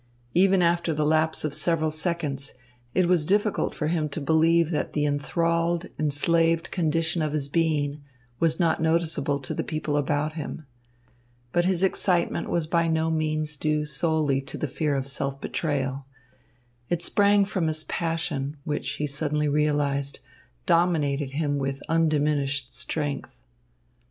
Even after the lapse of several seconds, it was difficult for him to believe that the enthralled, enslaved condition of his being was not noticeable to the people about him. But his excitement was by no means due solely to the fear of self betrayal. It sprang from his passion, which, he suddenly realised, dominated him with undiminished strength.